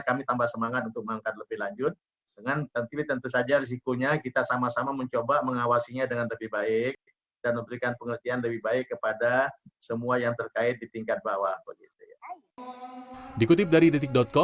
kami tambah semangat untuk mengangkat lebih lanjut